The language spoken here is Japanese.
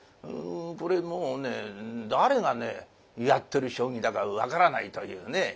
これもうね誰がねやってる将棋だか分からないというね。